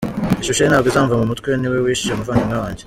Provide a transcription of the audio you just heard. Ishusho ye ntabwo izamva mu mutwe, ni we wishe umuvandimwe wanjye.